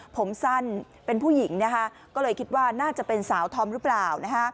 ผมสั้นเป็นผู้หญิงนะคะก็เลยคิดว่าน่าจะเป็นสาวธอมหรือเปล่า